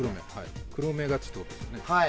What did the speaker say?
黒目がちっていうことですね。